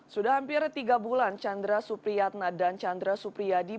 sudah hampir tiga bulan chandra supriyatna dan chandra supriyadi